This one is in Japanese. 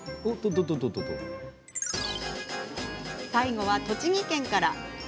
最後は栃木県から。